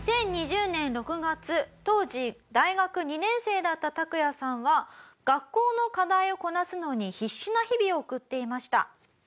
当時大学２年生だったタクヤさんは学校の課題をこなすのに必死な日々を送っていました。